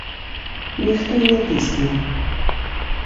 Ніхто і не піскне.